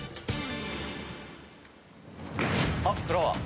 あっフラワー。